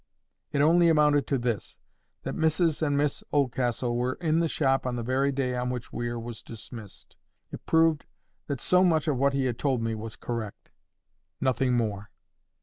It only amounted to this, that Mrs and Miss Oldcastle were in the shop on the very day on which Weir was dismissed. It proved that so much of what he had told me was correct—nothing more.